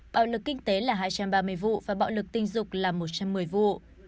bạo lực kinh tế là hai trăm ba mươi vụ và bạo lực tình dục là một trăm một mươi vụ